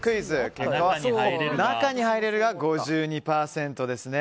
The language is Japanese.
結果は、中に入れるが５２％です。